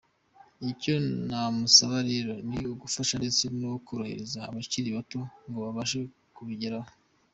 Icyo namusaba rero ni ugufasha ndetse no korohereza abakiri bato ngo babashe kubigeraho.